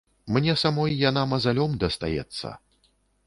Мне самой яна мазалём дастаецца.